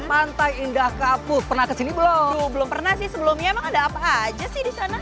pantai indah kapu pernah kesini belum belum pernah sih sebelumnya emang ada apa aja sih di sana